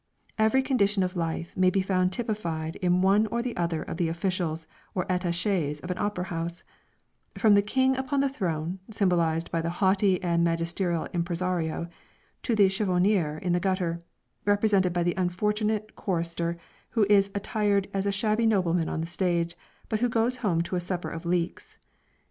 Every condition of life may be found typified in one or other of the officials or attachés of an opera house; from the king upon the throne, symbolized by the haughty and magisterial impresario, to the chiffonier in the gutter, represented by the unfortunate chorister who is attired as a shabby nobleman on the stage, but who goes home to a supper of leeks.